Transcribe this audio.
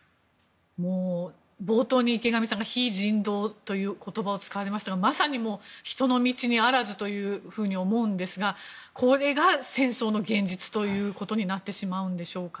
冒頭に池上さんが非人道という言葉を使われましたがまさに人の道にあらずと思うんですがこれが戦争の現実ということになってしまうんでしょうか。